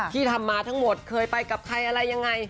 ที่ทำมาทั้งหมดเคยไปกับใครอะไรยังไง